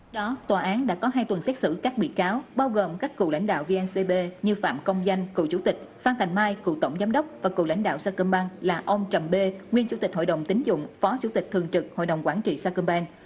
đó tòa án đã có hai tuần xét xử các bị cáo bao gồm các cựu lãnh đạo vncb như phạm công danh cựu chủ tịch phan thành mai cựu tổng giám đốc và cựu lãnh đạo sake man là ông trầm bê nguyên chủ tịch hội đồng tính dụng phó chủ tịch thường trực hội đồng quản trị sacombank